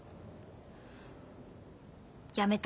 やめた。